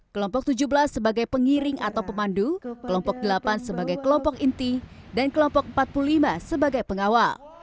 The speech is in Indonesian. kelompok tujuh belas sebagai pengiring atau pemandu kelompok delapan sebagai kelompok inti dan kelompok empat puluh lima sebagai pengawal